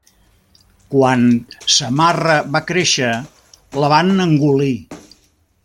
Quan Samarra va créixer la van engolir.